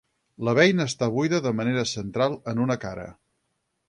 La beina està buida de manera central en una cara.